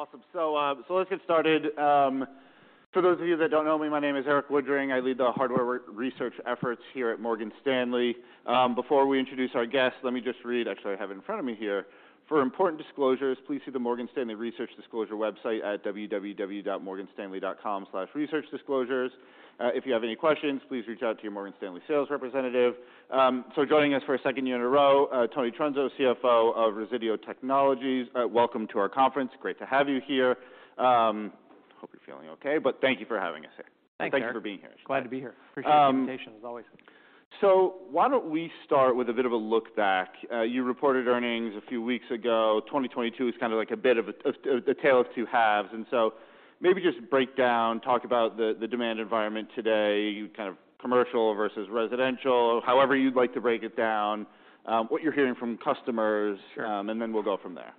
Awesome. Let's get started. For those of you that don't know me, my name is Erik Woodring. I lead the hardware research efforts here at Morgan Stanley. Before we introduce our guest, let me just read. Actually, I have it in front of me here. For important disclosures, please see the Morgan Stanley Research Disclosure website at www.morganstanley.com/researchdisclosures. If you have any questions, please reach out to your Morgan Stanley sales representative. Joining us for a second year in a row, Tony Trunzo, CFO of Resideo Technologies. Welcome to our conference. Great to have you here. Hope you're feeling okay, but thank you for having us here. Thank you. Thank you for being here. Glad to be here. The invitation as always. Why don't we start with a bit of a look back. You reported earnings a few weeks ago. 2022 is kind of like a bit of a tale of two halves, maybe just break down, talk about the demand environment today, kind of commercial versus residential, however you'd like to break it down, what you're hearing from customers- Sure. We'll go from there.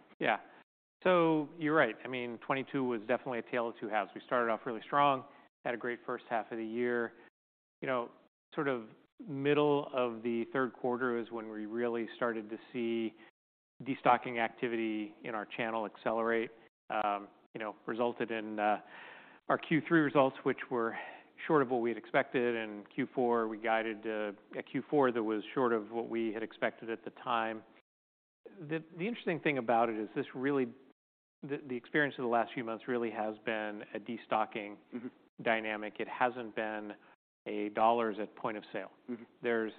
You're right. I mean, 2022 was definitely a tale of two halves. We started off really strong, had a great first half of the year. You know, sort of middle of the third quarter is when we really started to see destocking activity in our channel accelerate, you know, resulted in our Q3 results, which were short of what we had expected. Q4, we guided a Q4 that was short of what we had expected at the time. The interesting thing about it is this really. The experience of the last few months really has been a destocking dynamic. It hasn't been a dollars at point of sale. Mm-hmm. There's,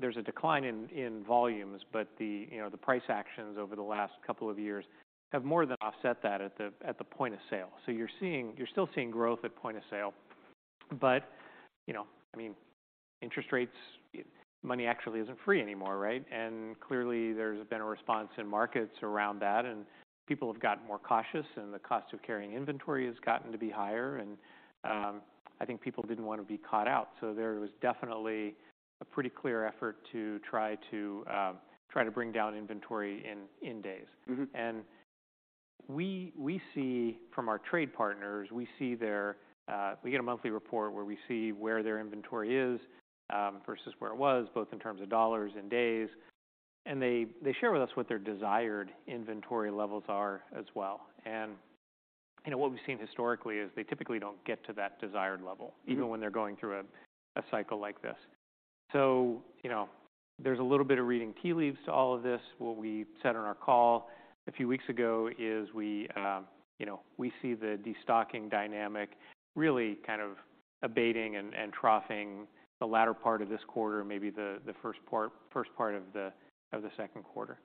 there's a decline in volumes, but the, you know, the price actions over the last couple of years have more than offset that at the, at the point of sale. You're still seeing growth at point of sale. You know, I mean, interest rates, money actually isn't free anymore, right? Clearly, there's been a response in markets around that, and people have gotten more cautious, and the cost of carrying inventory has gotten to be higher. I think people didn't wanna be caught out. There was definitely a pretty clear effort to try to bring down inventory in days. Mm-hmm. We see from our trade partners. We get a monthly report where we see where their inventory is versus where it was, both in terms of dollars and days. They share with us what their desired inventory levels are as well. You know, what we've seen historically is they typically don't get to that desired level. Mm-hmm... even when they're going through a cycle like this. You know, there's a little bit of reading tea leaves to all of this. What we said on our call a few weeks ago is we, you know, we see the destocking dynamic really kind of abating and troughing the latter part of this quarter, maybe the first part of the second quarter.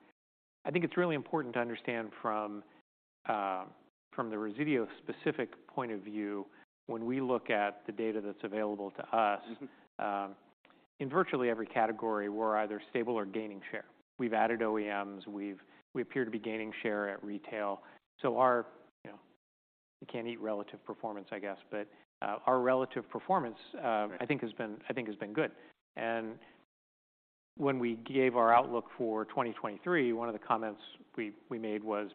I think it's really important to understand from the Resideo specific point of view when we look at the data that's available to us. Mm-hmm in virtually every category, we're either stable or gaining share. We've added OEMs. We appear to be gaining share at retail. Our, you know, you can't eat relative performance, I guess, our relative performance- Right... I think has been good. When we gave our outlook for 2023, one of the comments we made was,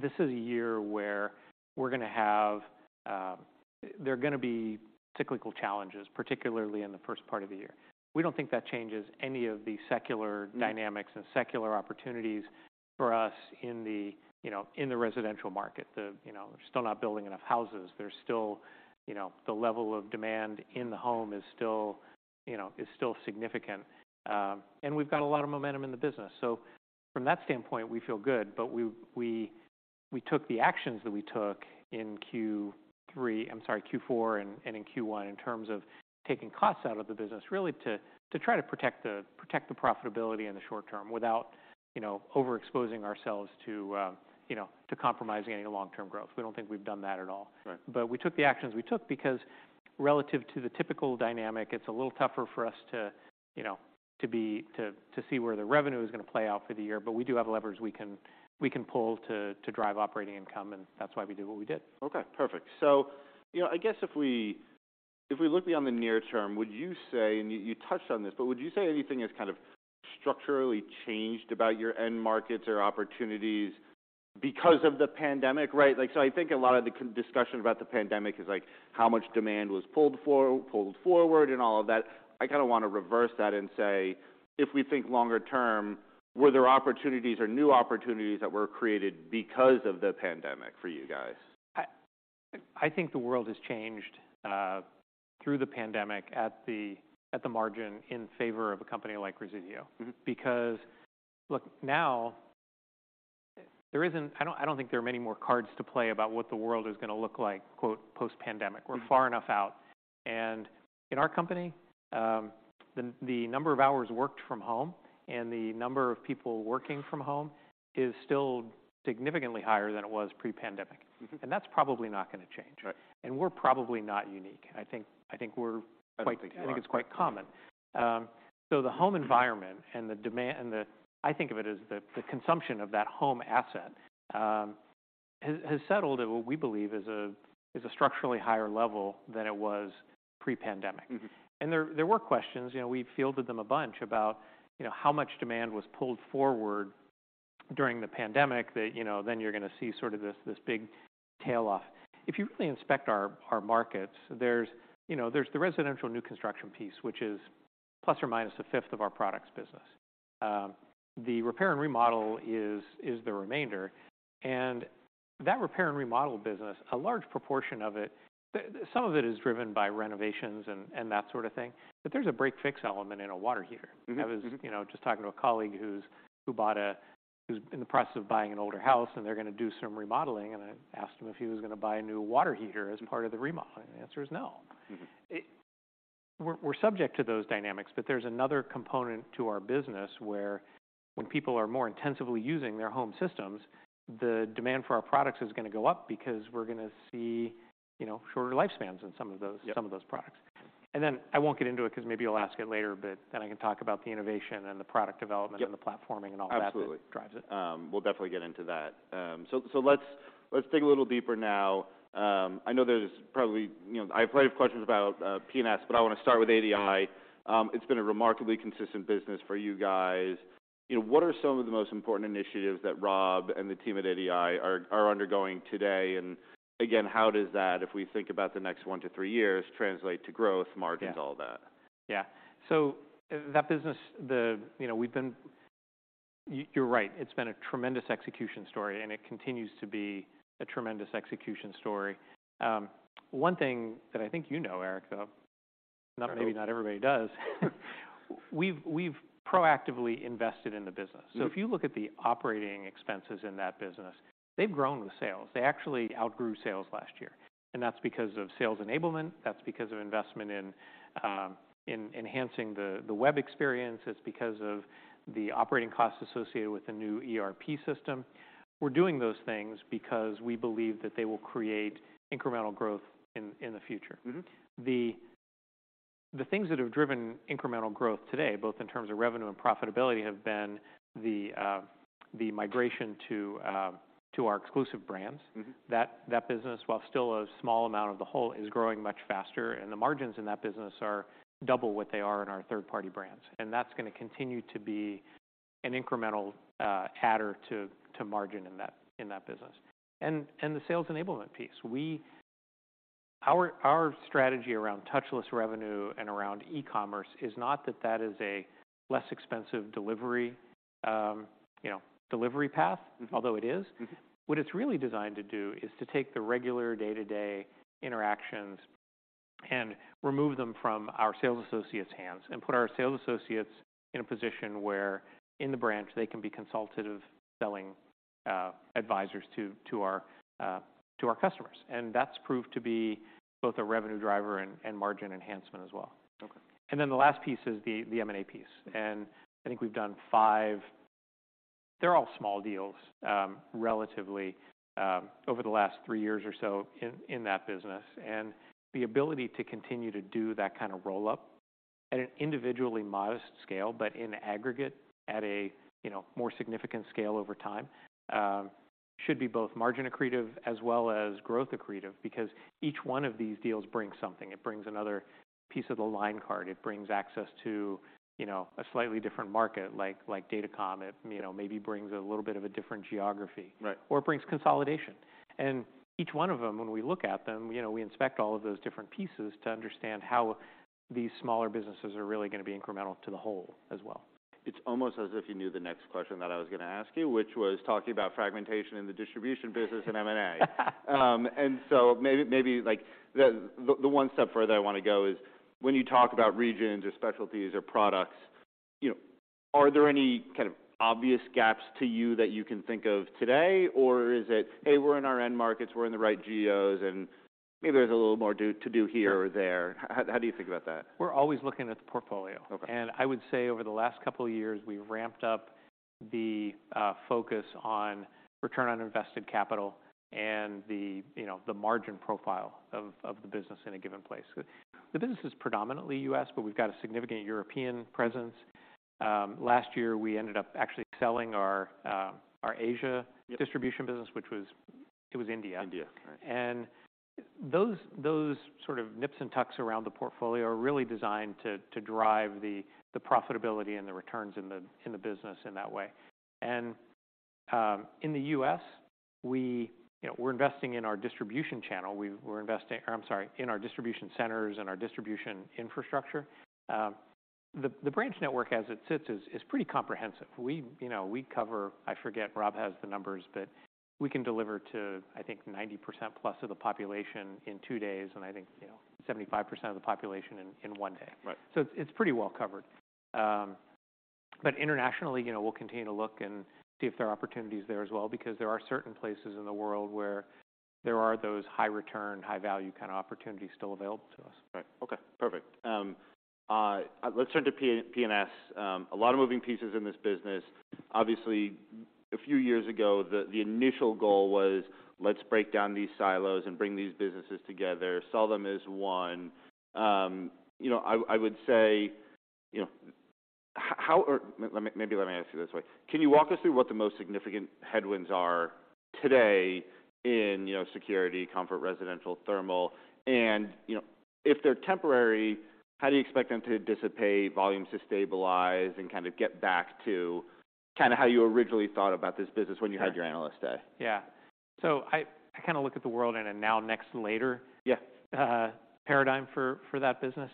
this is a year where we're gonna have... There are gonna be cyclical challenges, particularly in the first part of the year. We don't think that changes any of the secular dynamics- Mm. Secular opportunities for us in the residential market. They're still not building enough houses. There's still the level of demand in the home is still significant. We've got a lot of momentum in the business. From that standpoint, we feel good. We took the actions that we took in Q3, I'm sorry, Q4 and in Q1 in terms of taking costs out of the business really to try to protect the profitability in the short term without overexposing ourselves to compromising any long-term growth. We don't think we've done that at all. Right. We took the actions we took because relative to the typical dynamic, it's a little tougher for us to, you know, to see where the revenue is gonna play out for the year. We do have levers we can pull to drive operating income, and that's why we did what we did. Perfect. You know, I guess if we look beyond the near term, would you say, and you touched on this, but would you say anything has kind of structurally changed about your end markets or opportunities because of the pandemic, right? I think a lot of the discussion about the pandemic is, like, how much demand was pulled forward and all of that. I kind of wanna reverse that and say, if we think longer term, were there opportunities or new opportunities that were created because of the pandemic for you guys? I think the world has changed through the pandemic at the margin in favor of a company like Resideo. Mm-hmm. Look, now I don't think there are many more cards to play about what the world is gonna look like, quote, "post-pandemic. Mm-hmm. We're far enough out. In our company, the number of hours worked from home and the number of people working from home is still significantly higher than it was pre-pandemic. Mm-hmm. That's probably not gonna change. Right. We're probably not unique. I think. I don't think you are. I think it's quite common. The home environment and the demand... I think of it as the consumption of that home asset has settled at what we believe is a structurally higher level than it was pre-pandemic. Mm-hmm. There were questions, you know, we fielded them a bunch about, you know, how much demand was pulled forward during the pandemic that, you know, then you're gonna see sort of this big tail off. If you really inspect our markets, there's, you know, there's the residential new construction piece, which is ± 1/5 of our products business. The repair and remodel is the remainder. That repair and remodel business, a large proportion of it, some of it is driven by renovations and that sort of thing. There's a break-fix element in a water heater. Mm-hmm. I was, you know, just talking to a colleague who's in the process of buying an older house, and they're gonna do some remodeling, and I asked him if he was gonna buy a new water heater as part of the remodeling. The answer is no. Mm-hmm. We're subject to those dynamics, but there's another component to our business where when people are more intensively using their home systems, the demand for our products is gonna go up because we're gonna see, you know, shorter lifespans in some of those. Yeah. some of those products. I won't get into it because maybe you'll ask it later, but then I can talk about the innovation and the product development. Yeah. The platforming and all that. Absolutely. drives it. We'll definitely get into that. Let's dig a little deeper now. I know there's probably... You know, I have plenty of questions about P&S, but I wanna start with ADI. It's been a remarkably consistent business for you guys. You know, what are some of the most important initiatives that Rob and the team at ADI are undergoing today? Again, how does that, if we think about the next one to three years, translate to growth, margins- Yeah. all that? Yeah. that business. You know, you're right. It's been a tremendous execution story, and it continues to be a tremendous execution story. One thing that I think you know, Erik. Sure do. not, maybe not everybody does, we've proactively invested in the business. Mm-hmm. If you look at the operating expenses in that business, they've grown with sales. They actually outgrew sales last year. That's because of sales enablement, that's because of investment in enhancing the web experience. It's because of the operating costs associated with the new ERP system. We're doing those things because we believe that they will create incremental growth in the future. Mm-hmm. The things that have driven incremental growth today, both in terms of revenue and profitability, have been the migration to our exclusive brands. Mm-hmm. That business, while still a small amount of the whole, is growing much faster, and the margins in that business are double what they are in our third-party brands. That's gonna continue to be an incremental adder to margin in that business. The sales enablement piece. Our strategy around touchless revenue and around e-commerce is not that that is a less expensive delivery, you know, delivery path. Mm-hmm. although it is. Mm-hmm. What it's really designed to do is to take the regular day-to-day interactions and remove them from our sales associates' hands and put our sales associates in a position where in the branch they can be consultative selling advisors to our customers. That's proved to be both a revenue driver and margin enhancement as well. Okay. The last piece is the M&A piece. I think we've done five... They're all small deals, relatively, over the last three years or so in that business. The ability to continue to do that kind of roll-up at an individually modest scale, but in aggregate at a, you know, more significant scale over time, should be both margin accretive as well as growth accretive because each one of these deals brings something. It brings another piece of the line card. It brings access to, you know, a slightly different market like DataComm. It, you know, maybe brings a little bit of a different geography. Right. It brings consolidation. Each one of them, when we look at them, you know, we inspect all of those different pieces to understand how these smaller businesses are really gonna be incremental to the whole as well. It's almost as if you knew the next question that I was gonna ask you, which was talking about fragmentation in the distribution business and M&A. Maybe, like, the one step further I wanna go is when you talk about regions or specialties or products, you know, are there any kind of obvious gaps to you that you can think of today? Or is it, "Hey, we're in our end markets, we're in the right geos, and maybe there's a little more to do here or there?" How do you think about that? We're always looking at the portfolio. Okay. I would say over the last couple of years, we've ramped up the focus on return on invested capital and the, you know, the margin profile of the business in a given place. The business is predominantly U.S., but we've got a significant European presence. Last year, we ended up actually selling our Asia-. Yep. distribution business, which was... It was India. India. Right. Those sort of nips and tucks around the portfolio are really designed to drive the profitability and the returns in the business in that way. In the U.S., we, you know, we're investing in our distribution channel. We're investing in our distribution centers and our distribution infrastructure. The branch network as it sits is pretty comprehensive. We, you know, we cover... I forget, Rob has the numbers, but we can deliver to, I think, 90% plus of the population in two days, and I think, you know, 75% of the population in one day. Right. It's pretty well covered. Internationally, you know, we'll continue to look and see if there are opportunities there as well because there are certain places in the world where there are those high return, high value kind of opportunities still available to us. Right. Okay, perfect. Let's turn to P&S. A lot of moving pieces in this business. Obviously, a few years ago, the initial goal was let's break down these silos and bring these businesses together, sell them as one. Or maybe let me ask you this way. Can you walk us through what the most significant headwinds are today in, you know, security, comfort, residential, thermal? If they're temporary, how do you expect them to dissipate, volumes to stabilize, and kind of get back to Kind of how you originally thought about this business when you had your Analyst Day. Yeah. I kind of look at the world in a now, next, later- Yeah... paradigm for that business.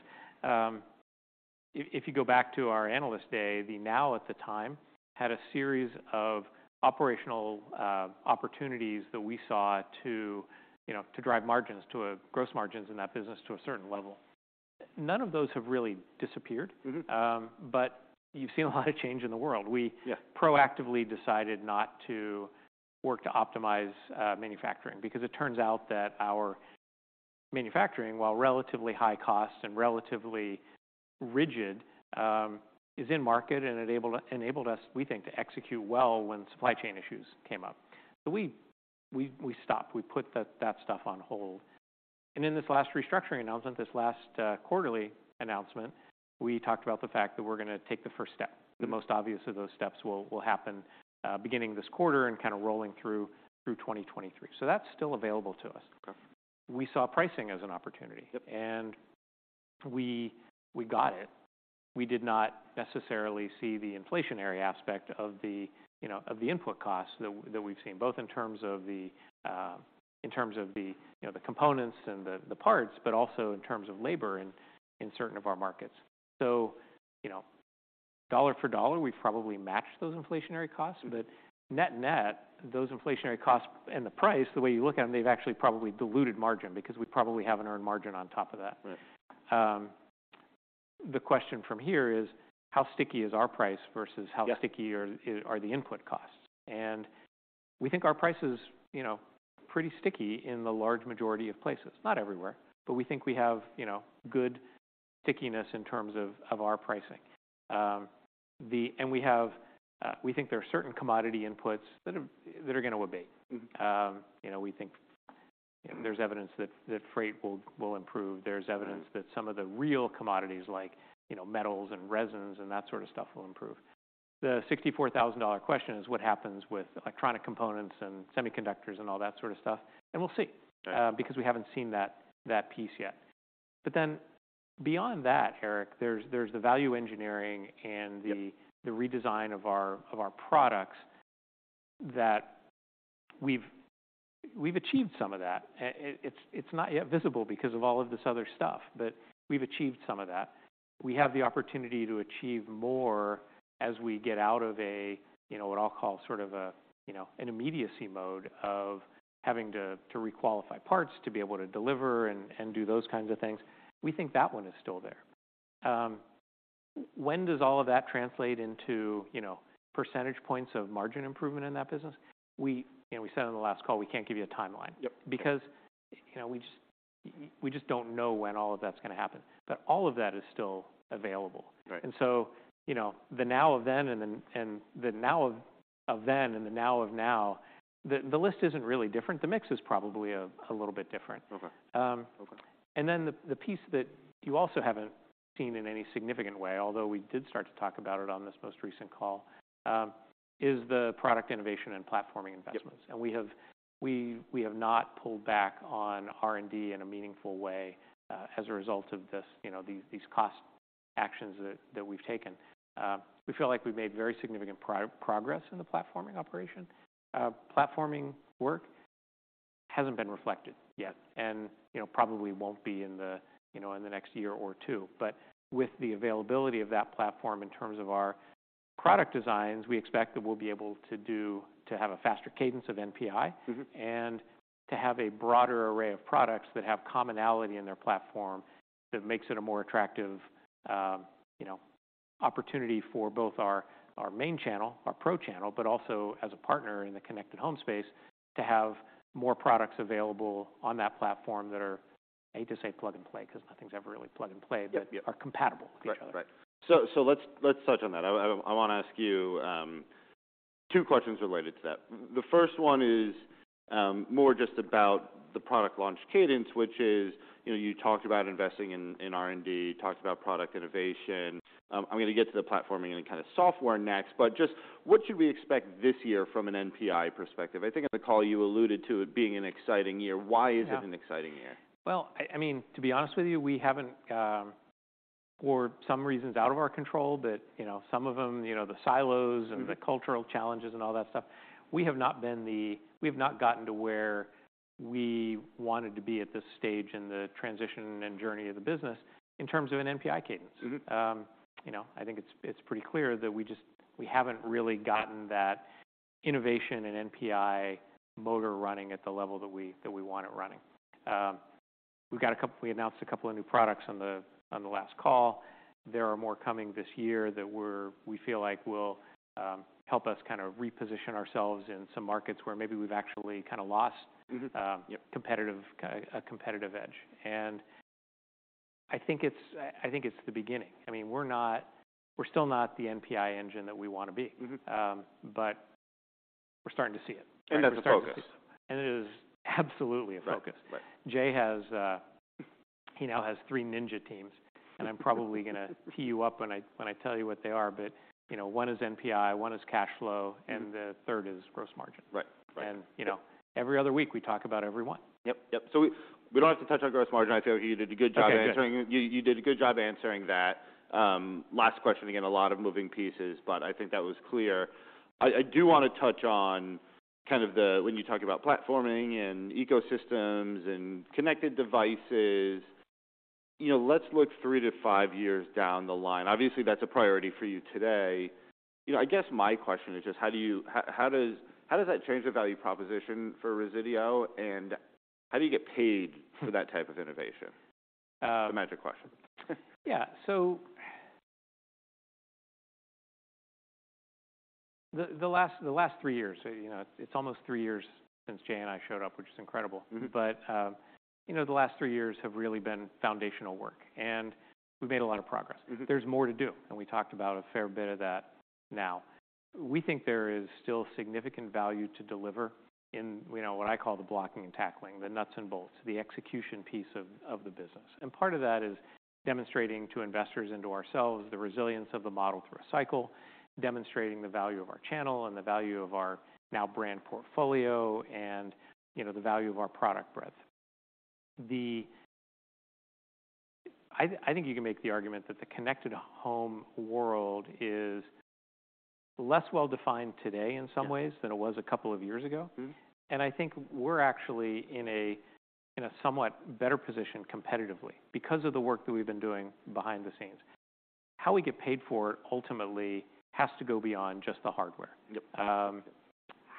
If you go back to our Analyst Day, the now at the time had a series of operational opportunities that we saw to, you know, to drive margins to a gross margins in that business to a certain level. None of those have really disappeared. Mm-hmm. You've seen a lot of change in the world. Yeah proactively decided not to work to optimize manufacturing, because it turns out that our manufacturing, while relatively high cost and relatively rigid, is in market and enabled us, we think, to execute well when supply chain issues came up. We stopped. We put that stuff on hold. In this last restructuring announcement, this last quarterly announcement, we talked about the fact that we're gonna take the first step. Mm-hmm. The most obvious of those steps will happen beginning this quarter and kind of rolling through 2023. That's still available to us. Okay. We saw pricing as an opportunity. Yep. We got it. We did not necessarily see the inflationary aspect of the, you know, of the input costs that we've seen, both in terms of the, in terms of the, you know, the components and the parts, but also in terms of labor in certain of our markets. You know, dollar for dollar, we've probably matched those inflationary costs. Mm-hmm. Net-net, those inflationary costs and the price, the way you look at them, they've actually probably diluted margin because we probably have an earned margin on top of that. Right. The question from here is how sticky is our price versus. Yeah... how sticky are the input costs. We think our price is, you know, pretty sticky in the large majority of places. Not everywhere, but we think we have, you know, good stickiness in terms of our pricing. We have, we think there are certain commodity inputs that are gonna abate. Mm-hmm. you know, we think there's evidence that freight will improve. Right... that some of the real commodities like, you know, metals and resins and that sort of stuff will improve. The $64,000 question is what happens with electronic components and semiconductors and all that sort of stuff. We'll see. Right because we haven't seen that piece yet. Beyond that, Eric, there's the value engineering. Yep... the redesign of our products that we've achieved some of that. It's not yet visible because of all of this other stuff, but we've achieved some of that. We have the opportunity to achieve more as we get out of a, you know, what I'll call sort of an immediacy mode of having to requalify parts to be able to deliver and do those kinds of things. We think that one is still there. When does all of that translate into, you know, percentage points of margin improvement in that business? You know, we said on the last call we can't give you a timeline. Yep... because, you know, we just don't know when all of that's gonna happen. All of that is still available. Right. you know, the now of then and then, and the now of then and the now of now, the list isn't really different. The mix is probably a little bit different. Okay. Um- Okay... and then the piece that you also haven't seen in any significant way, although we did start to talk about it on this most recent call, is the product innovation and platforming investments. Yep. We have not pulled back on R&D in a meaningful way, as a result of this, you know, these cost actions that we've taken. We feel like we've made very significant progress in the platforming operation. Platforming work hasn't been reflected yet and, you know, probably won't be in the, you know, in the next year or two. With the availability of that platform in terms of our product designs, we expect that we'll be able to have a faster cadence of NPI- Mm-hmm... and to have a broader array of products that have commonality in their platform that makes it a more attractive, you know, opportunity for both our main channel, our pro channel, but also as a partner in the connected home space to have more products available on that platform that are, I hate to say plug and play because nothing's ever really plug and play... Yep.... but are compatible with each other. Right. Let's touch on that. I want to ask you two questions related to that. The first one is more just about the product launch cadence, which is, you know, you talked about investing in R&D, you talked about product innovation. I'm going to get to the platforming and kind of software next, just what should we expect this year from an NPI perspective? I think on the call you alluded to it being an exciting year. Yeah. Why is it an exciting year? I mean, to be honest with you, we haven't, for some reasons out of our control, but, you know, some of them, you know, the silos and... Mm-hmm... the cultural challenges and all that stuff, we have not gotten to where we wanted to be at this stage in the transition and journey of the business in terms of an NPI cadence. Mm-hmm. you know, I think it's pretty clear that we just, we haven't really gotten that innovation and NPI motor running at the level that we want it running. We announced a couple of new products on the last call. There are more coming this year that we're, we feel like will help us kind of reposition ourselves in some markets where maybe we've actually kind of lost- Mm-hmm... competitive, a competitive edge. I think it's, I think it's the beginning. I mean, we're not, we're still not the NPI engine that we wanna be. Mm-hmm. We're starting to see it. That's a focus. It is absolutely a focus. Right. Right. Jay has, he now has three ninja teams, and I'm probably gonna tee you up when I, when I tell you what they are, but, you know, one is NPI, one is cash flow. The third is gross margin. Right. Right. You know, every other week we talk about every one. Yep. We don't have to touch on gross margin. I feel like you did a good job answering. Okay, good.... you did a good job answering that. Last question, again, a lot of moving pieces, but I think that was clear. I do wanna touch on when you talk about platforming and ecosystems and connected devices, you know, let's look three to five years down the line. Obviously, that's a priority for you today. You know, I guess my question is just how does that change the value proposition for Resideo, and how do you get paid for that type of innovation? Um. The magic question. Yeah. the last three years, you know, it's almost three years since Jay and I showed up, which is incredible. Mm-hmm. You know, the last three years have really been foundational work, and we've made a lot of progress. Mm-hmm. There's more to do. We talked about a fair bit of that now. We think there is still significant value to deliver in, you know, what I call the blocking and tackling, the nuts and bolts, the execution piece of the business. Part of that is demonstrating to investors and to ourselves the resilience of the model through a cycle, demonstrating the value of our channel and the value of our now brand portfolio and, you know, the value of our product breadth. I think you can make the argument that the connected home world is less well-defined today in some ways. Yeah... than it was a couple of years ago. Mm-hmm. I think we're actually in a somewhat better position competitively because of the work that we've been doing behind the scenes. How we get paid for it ultimately has to go beyond just the hardware. Yep.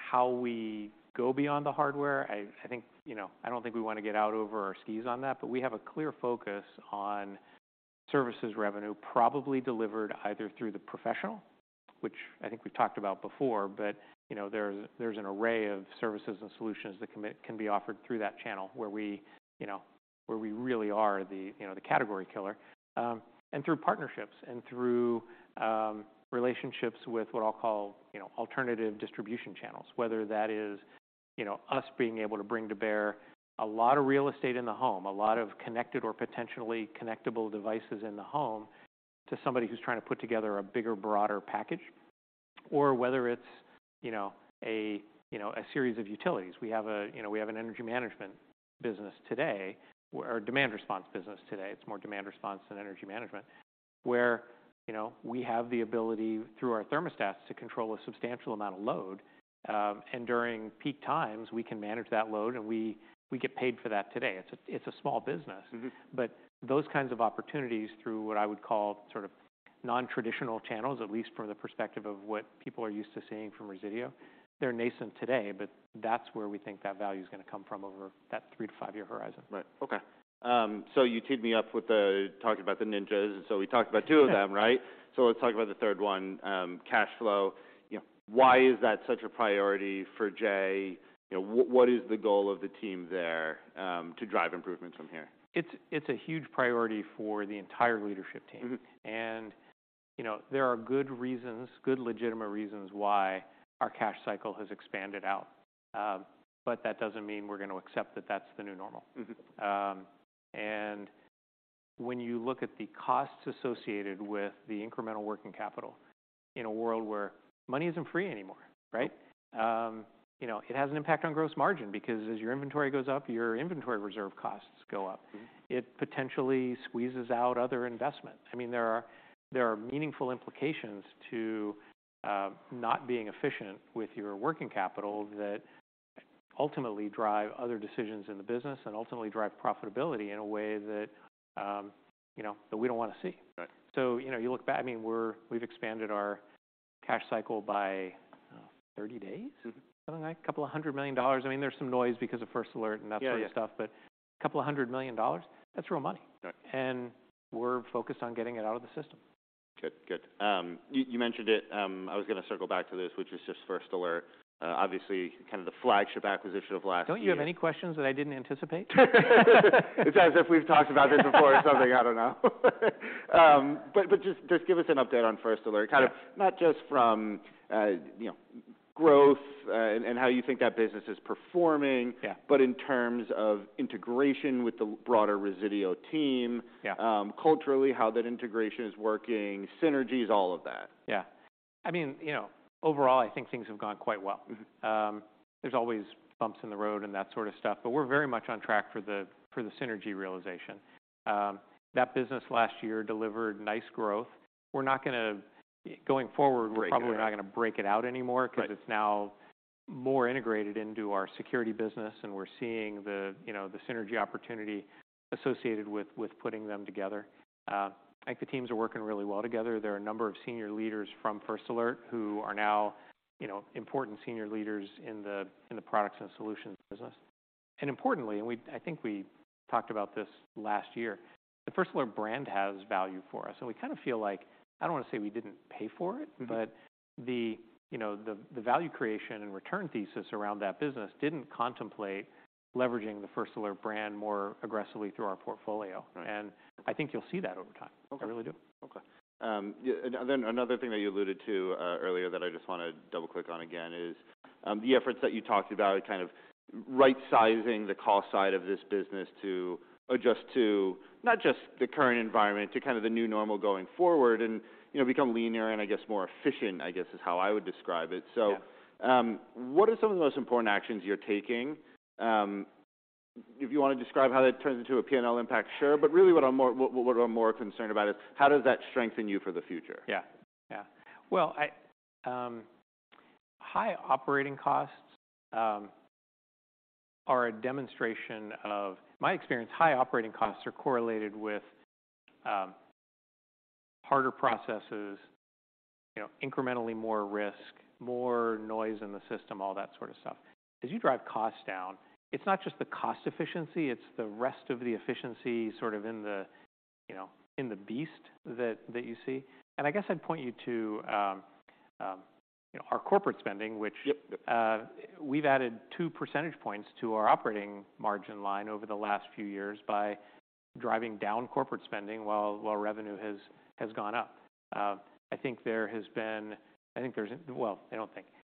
How we go beyond the hardware, I think, you know, I don't think we wanna get out over our skis on that, but we have a clear focus on services revenue probably delivered either through the professional, which I think we've talked about before. You know, there's an array of services and solutions that can be offered through that channel where we really are the, you know, the category killer. Through partnerships and through relationships with what I'll call, you know, alternative distribution channels, whether that is, you know, us being able to bring to bear a lot of real estate in the home, a lot of connected or potentially connectable devices in the home to somebody who 's trying to put together a bigger, broader package, or whether it's, you know, a series of utilities. We have an energy management business today, or a demand response business today. It's more demand response than energy management, where, you know, we have the ability through our thermostats to control a substantial amount of load. During peak times, we can manage that load, and we get paid for that today. It's a, it's a small business. Mm-hmm. Those kinds of opportunities through what I would call sort of non-traditional channels, at least from the perspective of what people are used to seeing from Resideo, they're nascent today, but that's where we think that value's gonna come from over that three to five-year horizon. Right. Okay. You teed me up with talking about the ninjas, we talked about two of them, right? Yeah. Let's talk about the third one, cash flow. You know, why is that such a priority for Jay? You know, what is the goal of the team there, to drive improvements from here? It's a huge priority for the entire leadership team. Mm-hmm. You know, there are good reasons, good legitimate reasons why our cash cycle has expanded out, but that doesn't mean we're gonna accept that that's the new normal. Mm-hmm. When you look at the costs associated with the incremental working capital in a world where money isn't free anymore, right? You know, it has an impact on gross margin because as your inventory goes up, your inventory reserve costs go up. Mm-hmm. It potentially squeezes out other investments. I mean, there are meaningful implications to not being efficient with your working capital that ultimately drive other decisions in the business and ultimately drive profitability in a way that, you know, that we don't wanna see. Right. you know, you look back, I mean, we've expanded our cash cycle by 30 days? Mm-hmm. Something like that. A couple of hundred million dollars. I mean, there's some noise because of First Alert and that sort of stuff. Yeah, yeah. $200 million, that's real money. Right. We're focused on getting it out of the system. Good. You mentioned it, I was gonna circle back to this, which is just First Alert, obviously kind of the flagship acquisition of last year. Don't you have any questions that I didn't anticipate? It's as if we've talked about this before or something, I don't know. Just give us an update on First Alert. Yeah. Kind of not just from, you know, growth, and how you think that business is performing- Yeah In terms of integration with the broader Resideo team. Yeah. Culturally, how that integration is working, synergies, all of that. Yeah. I mean, you know, overall, I think things have gone quite well. Mm-hmm. There's always bumps in the road and that sort of stuff, but we're very much on track for the, for the synergy realization. That business last year delivered nice growth. Going forward. Break it out.... we're probably not gonna break it out anymore... Right... 'cause it's now more integrated into our security business, and we're seeing the, you know, the synergy opportunity associated with putting them together. I think the teams are working really well together. There are a number of senior leaders from First Alert who are now, you know, important senior leaders in the Products and Solutions business. Importantly, I think we talked about this last year, the First Alert brand has value for us. We kind of feel like, I don't wanna say we didn't pay for it- Mm-hmm... but the, you know, the value creation and return thesis around that business didn't contemplate leveraging the First Alert brand more aggressively through our portfolio. Right. I think you'll see that over time. Okay. I really do. Okay. Yeah, then another thing that you alluded to earlier that I just wanna double-click on again is the efforts that you talked about, kind of right-sizing the cost side of this business to adjust to not just the current environment, to kind of the new normal going forward and, you know, become leaner and I guess more efficient, I guess is how I would describe it. Yeah. What are some of the most important actions you're taking? If you wanna describe how that turns into a P&L impact, sure. Really what I'm more concerned about is how does that strengthen you for the future? Yeah. Yeah. Well, I, high operating costs are a demonstration of... My experience, high operating costs are correlated with harder processes, you know, incrementally more risk, more noise in the system, all that sort of stuff. As you drive costs down, it's not just the cost efficiency, it's the rest of the efficiency sort of in the, you know, in the beast that you see. I guess I'd point you to, you know, our corporate spending, which- Yep... we've added two percentage points to our operating margin line over the last few years by driving down corporate spending while revenue has gone up.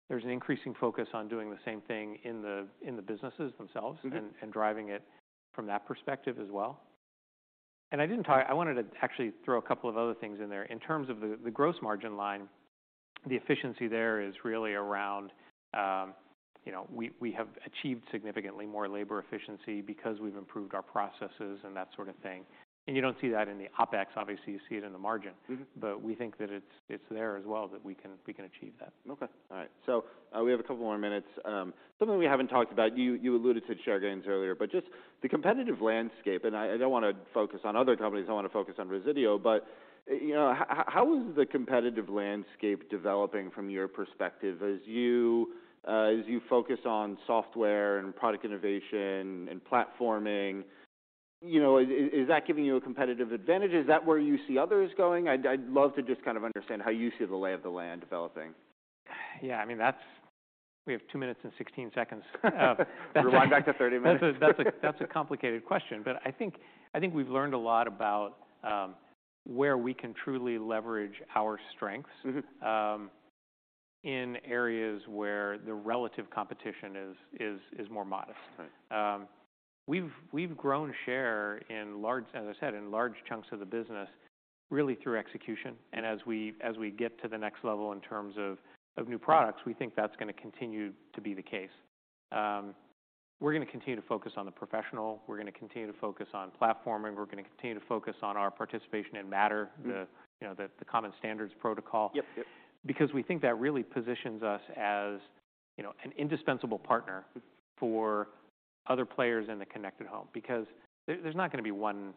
There's an increasing focus on doing the same thing in the businesses themselves. Mm-hmm... and driving it from that perspective as well. I didn't talk... I wanted to actually throw a couple of other things in there. In terms of the gross margin line, the efficiency there is really around, you know, we have achieved significantly more labor efficiency because we've improved our processes and that sort of thing, and you don't see that in the OpEx, obviously, you see it in the margin. Mm-hmm. We think that it's there as well, that we can achieve that. Okay. All right. We have a couple more minutes. Something we haven't talked about, you alluded to share gains earlier, but just the competitive landscape, and I don't want to focus on other companies, I wanna focus on Resideo. You know, how is the competitive landscape developing from your perspective as you, as you focus on software and product innovation and platforming? You know, is that giving you a competitive advantage? Is that where you see others going? I'd love to just kind of understand how you see the lay of the land developing. Yeah. I mean, that's. We have two minutes and 16 seconds. Rewind back to 30 minutes. That's a complicated question. I think we've learned a lot about, where we can truly leverage our strengths... Mm-hmm... in areas where the relative competition is more modest. Right. We've grown share in large, as I said, in large chunks of the business really through execution. As we get to the next level in terms of new products, we think that's gonna continue to be the case. We're gonna continue to focus on the professional, we're gonna continue to focus on platforming, we're gonna continue to focus on our participation in Matter. Mm-hmm... the, you know, the common standards protocol. Yep. Yep. We think that really positions us as, you know, an indispensable partner. Mm-hmm... for other players in the connected home. There, there's not gonna be one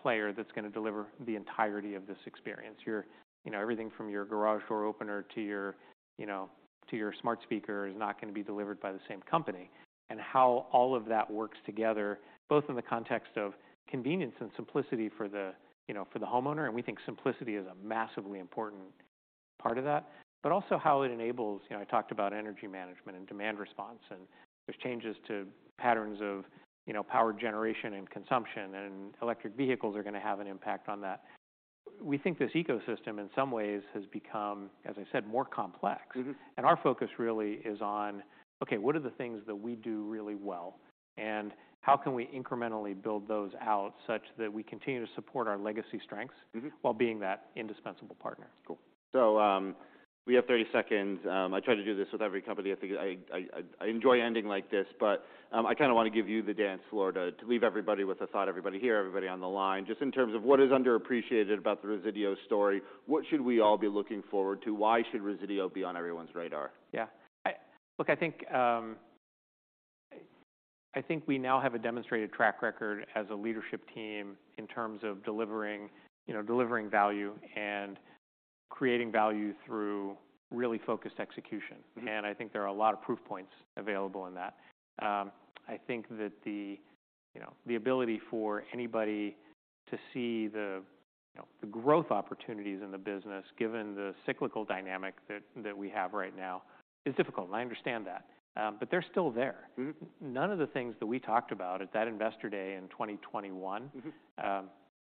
player that's gonna deliver the entirety of this experience. Your, you know, everything from your garage door opener to your, you know, to your smart speaker is not gonna be delivered by the same company. How all of that works together, both in the context of convenience and simplicity for the, you know, for the homeowner, and we think simplicity is a massively important part of that, but also how it enables, you know, I talked about energy management and demand response and which changes to patterns of, you know, power generation and consumption and electric vehicles are gonna have an impact on that. We think this ecosystem in some ways has become, as I said, more complex. Mm-hmm. Our focus really is on, okay, what are the things that we do really well, and how can we incrementally build those out such that we continue to support our legacy strengths. Mm-hmm... while being that indispensable partner. Cool. we have 30 seconds. I try to do this with every company. I think I enjoy ending like this. I kinda wanna give you the dance floor to leave everybody with a thought, everybody here, everybody on the line, just in terms of what is underappreciated about the Resideo story, what should we all be looking forward to? Why should Resideo be on everyone's radar? Yeah. Look, I think, I think we now have a demonstrated track record as a leadership team in terms of delivering, you know, delivering value and creating value through really focused execution. Mm-hmm. I think there are a lot of proof points available in that. I think that the, you know, the ability for anybody to see the, you know, the growth opportunities in the business given the cyclical dynamic that we have right now is difficult, and I understand that. They're still there. Mm-hmm. None of the things that we talked about at that Investor Day in 2021 Mm-hmm...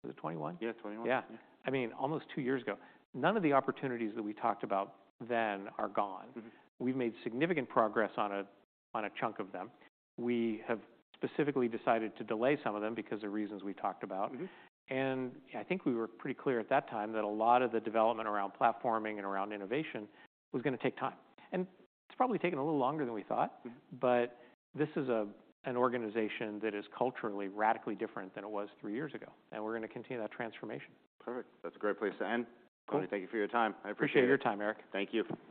was it 2021? Yeah, 2021. Yeah. I mean, almost two years ago. None of the opportunities that we talked about then are gone. Mm-hmm. We've made significant progress on a chunk of them. We have specifically decided to delay some of them because of reasons we talked about. Mm-hmm. I think we were pretty clear at that time that a lot of the development around platforming and around innovation was gonna take time. It's probably taken a little longer than we thought. Mm-hmm... this is an organization that is culturally radically different than it was three years ago, and we're gonna continue that transformation. Perfect. That's a great place to end. Cool. Tony, thank you for your time. I appreciate it. Appreciate your time, Erik. Thank you.